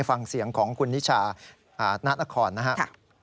ฟังเสียงของคุณนิชานัตลักษณ์นะครับ